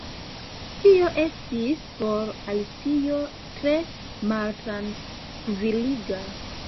Tio estis por Alicio tre maltrankviliga.